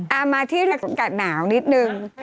เอามาที่กัดหนาวนิดนึง